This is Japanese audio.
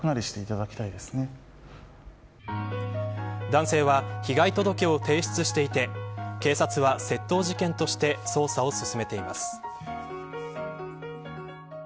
男性は被害届を提出していて警察は窃盗事件として捜査を進めています。